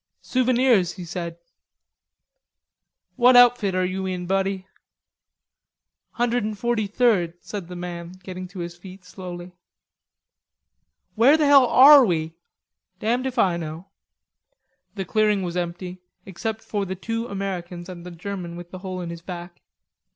"Souvenirs," he said. "What outfit are you in, buddy?" "143rd," said the man, getting to his feet slowly. "Where the hell are we?" "Damned if I know." The clearing was empty, except for the two Americans and the German with the hole in his back.